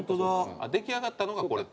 出来上がったのがこれ。